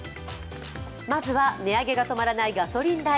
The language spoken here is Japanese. まずは値上げが止まらないガソリン代。